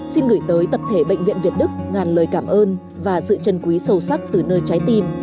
xin gửi tới tập thể bệnh viện việt đức ngàn lời cảm ơn và sự chân quý sâu sắc từ nơi trái tim